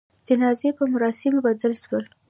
جنازې په مراسموبدل سول.